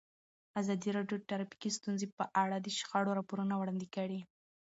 ازادي راډیو د ټرافیکي ستونزې په اړه د شخړو راپورونه وړاندې کړي.